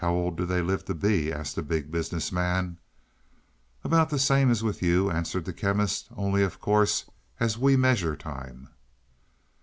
"How old do they live to be?" asked the Big Business Man. "About the same as with you," answered the Chemist. "Only of course as we measure time."